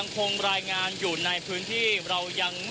ติดตามการรายงานสดจากคุณทัศนายโค้ดทองค่ะ